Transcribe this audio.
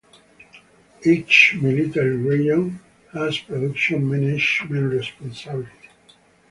Each military region has production management responsibility.